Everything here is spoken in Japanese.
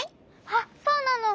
あっそうなの！